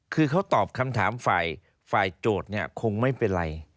คือเขาตอบคำถามฝ่ายโจทย์เนี่ยคงไม่เป็นไร